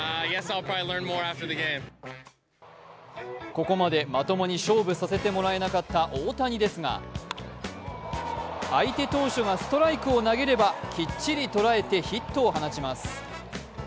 ここまでまともに勝負させてもらえなかった大谷ですが相手投手がストライクを投げればきっちり捉えてヒットを放ちます。